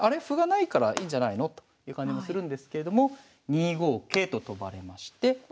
歩がないからいいんじゃないのという感じもするんですけれども２五桂と跳ばれまして。